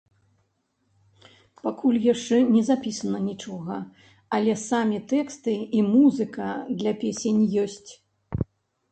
Пакуль яшчэ не запісана нічога, але самі тэксты і музыка для песень ёсць.